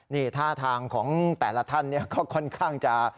นี่ท่าทางของแต่ละท่านก็ค่อนข้างจะ